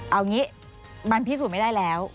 เอางี้มันพิสูจน์ไม่ได้แล้ว